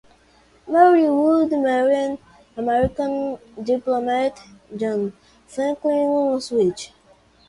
Mary Wood married American diplomat John Franklin Swift.